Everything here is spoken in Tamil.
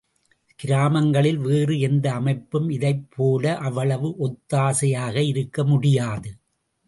கிராமங்களில் வேறு எந்த அமைப்பும் இதைப் போல அவ்வளவு ஒத்தாசையாக இருக்க முடியாது.